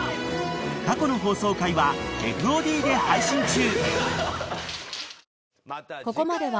［過去の放送回はＦＯＤで配信中］